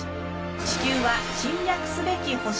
地球は侵略すべき星？